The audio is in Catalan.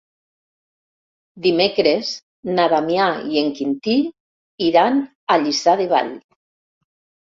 Dimecres na Damià i en Quintí iran a Lliçà de Vall.